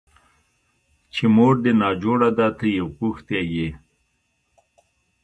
چې مور دې ناجوړه ده ته يې غوښتى يې.